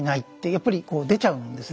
やっぱり出ちゃうんですね。